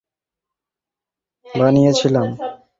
তাই আমি ঠাকুমার শাড়ি দিয়ে এই ড্রেসটা বানিয়েছিলাম।